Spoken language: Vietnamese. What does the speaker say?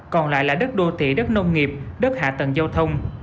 còn lại là đất đô thị đất nông nghiệp đất hạ tầng giao thông